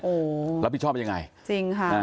โอ้โหจริงค่ะแล้วพี่ชอบยังไง